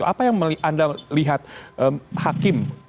apa yang anda lihat hakim